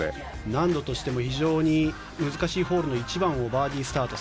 難度としても非常に難しいホールの１番をバーディースタート。